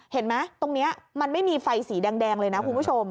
เห็นไหมตรงนี้มันไม่มีไฟสีแดงเลยนะคุณผู้ชม